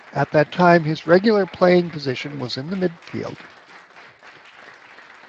At this time, his regular playing position was in midfield.